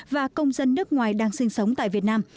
và công dân nước ngoài đang sinh sống tại việt nam